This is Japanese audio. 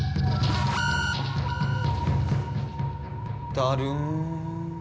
だるん。